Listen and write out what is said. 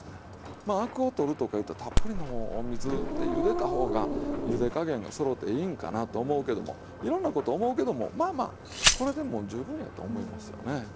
まあアクを取るとかいったらたっぷりのお水でゆでた方がゆで加減がそろっていいんかなと思うけどもいろんなこと思うけどもまあまあこれでもう十分やと思いますよね。